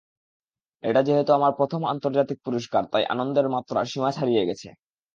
এটা যেহেতু আমার প্রথম আন্তর্জাতিক পুরস্কার, তাই আনন্দের মাত্রা সীমা ছাড়িয়ে গেছে।